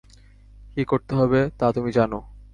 কী করতে হবে তা তুমি জানো।